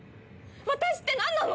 私ってなんなの！？